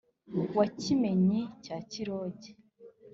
wa kimenyi cya kiroge,